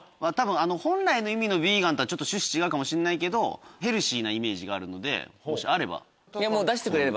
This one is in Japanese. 本来の意味のヴィーガンとはちょっと趣旨違うかもしんないけどヘルシーなイメージがあるのでもしあれば。